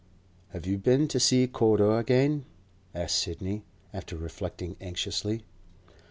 'Have you been to see Corder again?' asked Sidney, after reflecting anxiously.